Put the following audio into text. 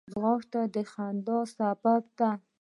ځغاسته د خندا سبب ده